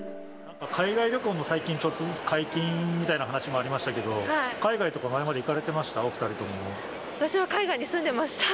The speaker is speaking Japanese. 海外旅行も最近、ちょっとずつ解禁みたいな話もありましたけど、海外とか、前まで行かれていました？